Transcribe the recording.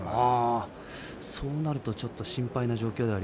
そうなると心配な状況です。